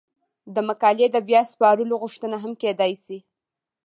د مقالې د بیا سپارلو غوښتنه هم کیدای شي.